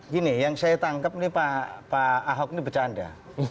gini yang saya tangkap nih pak ahok ini bercanda